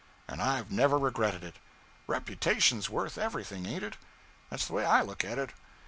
And I've never regretted it. Reputation's worth everything, ain't it? That's the way I look at it.